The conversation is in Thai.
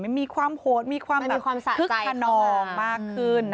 มันมีความโฌจร์มีความครึ่งทะนอมมากขึ้น